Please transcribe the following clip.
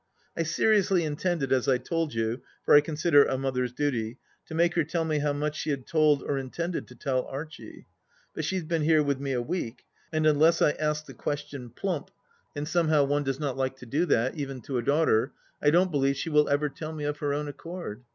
I seriously intended, as I told you, for I consider it 8 mother's duty, to make her tell me how much she had told or intended to tell Archie. But she has been here with me a week, and unless I ask her the question plump, and THE LAST DITCH 188 somehow one does not like to do that, even to a daughter, I don't believe she will ever tell me of her own accord.